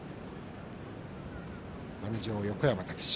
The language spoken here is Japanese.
鞍上、横山武史。